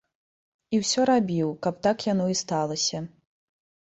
І ўсё рабіў, каб так яно і сталася.